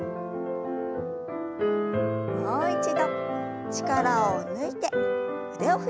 もう一度力を抜いて腕を振りましょう。